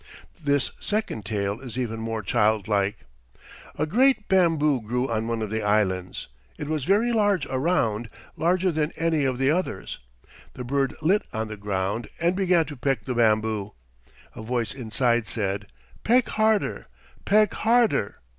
This second tale is even more child like: "A great bamboo grew on one of the Islands. It was very large around, larger than any of the others. The bird lit on the ground and began to peck the bamboo. A voice inside said, 'Peck harder, peck harder.'